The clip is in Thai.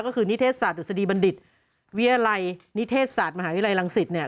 ก็คือนิเทศศาสดุษฎีบัณฑิตวิทยาลัยนิเทศศาสตร์มหาวิทยาลัยรังสิตเนี่ย